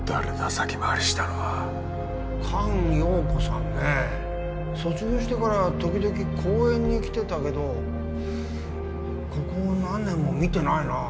先回りしたのは菅容子さんねぇ卒業してから時々講演に来てたけどここ何年も見てないなぁ